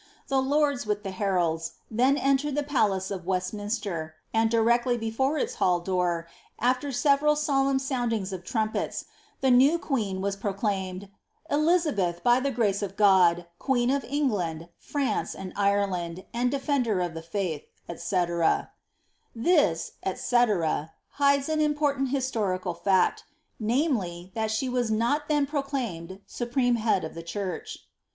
^ The lords, with the heralds, then entered the palace of Westminster, and directly before its hall door, after several solemn soundings of trumpets, the new queen was pro claimed ^ Elizabeth, by the grace of God, queen of England, France, and Ireland, and defender of the faith," &c. '^ This," &c., hides an im portant historical fact — namely, that she was not then proclaimed supreme head of the church.